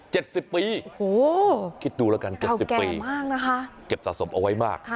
เจ็ดสิบปีโอ้โหคิดดูแล้วกันเจ็ดสิบปีเก็บสะสมเอาไว้มาก